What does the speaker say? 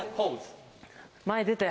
・前出て？